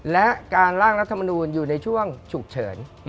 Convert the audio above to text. และการล่างรัฐมนูลอยู่ในช่วงฉุกเฉิน